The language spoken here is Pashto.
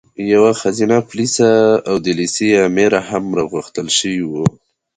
یوه ښځینه پولیسه او د لېسې امره هم راغوښتل شوې وه.